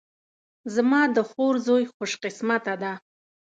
زما د خور زوی خوش قسمته ده